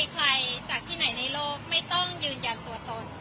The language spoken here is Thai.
ใครจากที่ไหนในโลกไม่ต้องยืนยันตัวตน